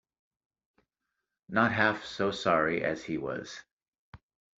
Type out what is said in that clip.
Not half so sorry as he was.